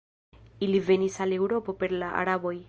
Ili venis al Eŭropo per la Araboj.